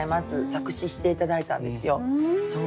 作詞して頂いたんですよ。